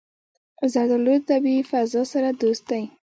زردالو له طبیعي فضا سره دوست دی.